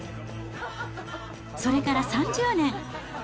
それから３０年。